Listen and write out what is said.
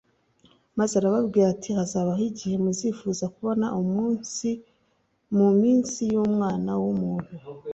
maze arababwira ati: "Hazabaho igihe muzifuza kubona umunsi mu minsi y'Umwana w'umuntu,